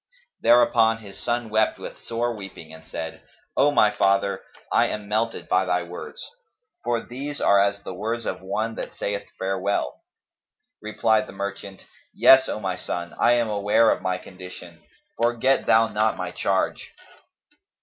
Thereupon his son wept with sore weeping and said, "O my father, I am melted by thy words, for these are as the words of one that saith farewell." Replied the merchant, "Yes, O my son, I am aware of my condition: forget thou not my charge."